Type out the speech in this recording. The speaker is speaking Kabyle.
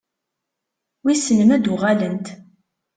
Wissen ma ad-uɣalent?